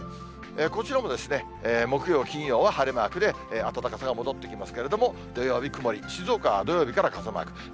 こちらも木曜、金曜は晴れマークで、暖かさが戻ってきますけれども、土曜日曇り、静岡は土曜日から傘マーク。